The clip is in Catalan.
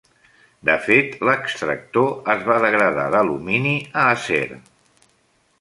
De fet, l'extractor es va degradar d'alumini a acer.